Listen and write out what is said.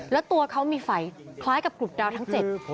แล้วตัวเขามีไฟคล้ายกับกลุ่มดาวทั้ง๗